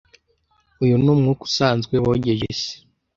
Uyu ni umwuka usanzwe wogeje isi.